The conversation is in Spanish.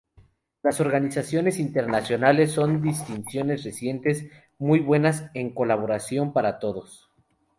Las organizaciones internacionales son unas distinciones recientes muy buenas en colaboración para todos.